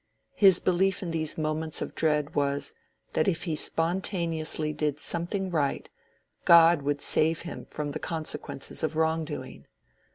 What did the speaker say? His belief in these moments of dread was, that if he spontaneously did something right, God would save him from the consequences of wrong doing.